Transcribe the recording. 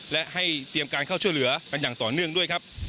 และให้เตรียมการเข้าช่วยเหลือกันอย่างต่อเนื่องด้วยครับ